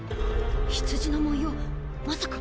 羊の紋様まさか！